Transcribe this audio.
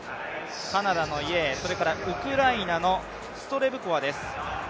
カナダのイー、ウクライナのストレブコワです。